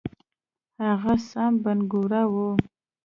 هغه سام بنګورا وو.